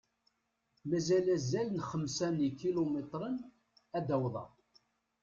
Mazal azal n xemsa n ikilumitren ad awḍeɣ.